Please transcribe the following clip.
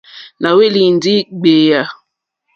Nà hwélì ndí ɡbèyà.